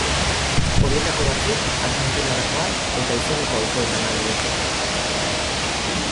Horietako batzuk Argentinara joan eta izeneko auzoetan lan egin zuten.